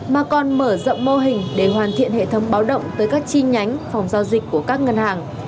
mà còn mở rộng mô hình để hoàn thiện hệ thống báo động tới các chi nhánh phòng giao dịch của các ngân hàng